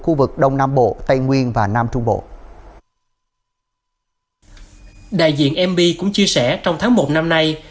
khu vực đông nam bộ tây nguyên và nam trung bộ đại diện mb cũng chia sẻ trong tháng một năm nay